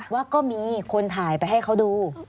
ว่าก็มีคนถ่ายไปให้เขาดู